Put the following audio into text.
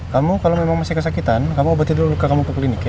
kamu kalau memang masih kesakitan kamu obatin dulu luka kamu ke klinik ya